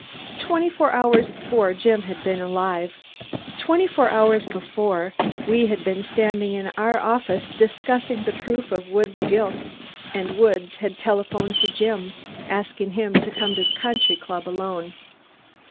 Twenty four hours before Jim had been alive. Twenty four hours before we had been in our office discussing the proof of Woods' guilt, and Woods had telephoned to Jim, asking him to come to the country club alone.